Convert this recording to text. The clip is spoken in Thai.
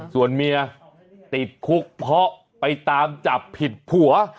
ส่วนเมียติดคุกเพราะไปตามจับผิดผัว